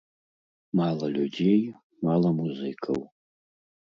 Мала людзей, мала музыкаў.